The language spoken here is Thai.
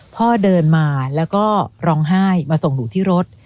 พ่อเดินมาแล้วก็ร้องไห้มาส่งหนูที่รถ